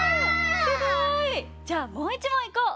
すごい！じゃあもう１もんいこう。